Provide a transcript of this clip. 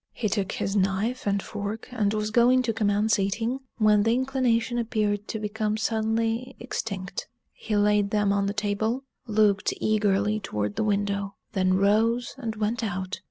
He took his knife and fork, and was going to commence eating, when the inclination appeared to become suddenly extinct. He laid them on the table, looked eagerly toward the window, then rose and went out.